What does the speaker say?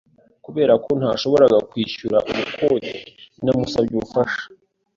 Kubera ko ntashoboraga kwishyura ubukode, namusabye ubufasha.